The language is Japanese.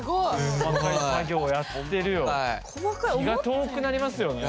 気が遠くなりますよね。